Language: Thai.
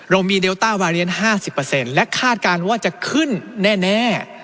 เรามีเดลต้าวาเลียน๕๐และคาดการณ์ว่าจะขึ้นแน่